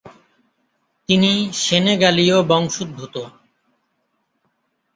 তিনি সেনেগালীয় বংশোদ্ভূত।